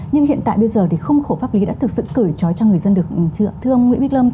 nhưng hiện tại bây giờ thì khung khổ pháp lý đã thực sự cởi trói cho người dân được thương nguyễn bích lâm